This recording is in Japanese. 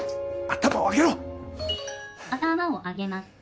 「頭を上げます」